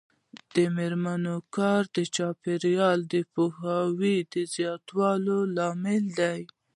د میرمنو کار د چاپیریال پوهاوي زیاتولو لامل دی.